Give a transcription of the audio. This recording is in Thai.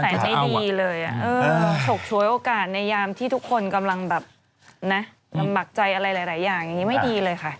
ใจไม่ดีเลยฉกฉวยโอกาสในยามที่ทุกคนกำลังแบบนะลำบากใจอะไรหลายอย่างอย่างนี้ไม่ดีเลยค่ะ